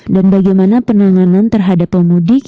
dan bagaimana penanganan terhadap pemudik